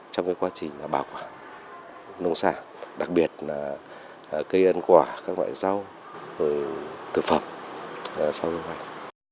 trong quá trình bảo quản nông sản đặc biệt là cây ăn quả các loại rau thực phẩm sau thu hoạch